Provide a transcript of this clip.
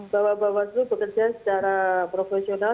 bahwa bawaslu bekerja secara profesional